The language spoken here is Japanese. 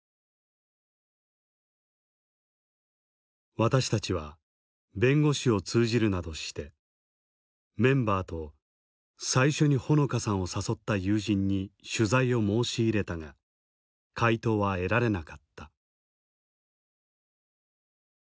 私たちは弁護士を通じるなどしてメンバーと最初に穂野香さんを誘った友人に取材を申し入れたが回答は得られなかった。